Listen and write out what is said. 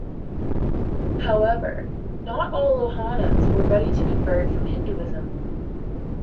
However, not all Lohanas were ready to convert from Hinduism.